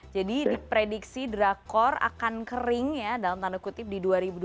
jadi diprediksi drakor akan kering ya dalam tanda kutip di dua ribu dua puluh satu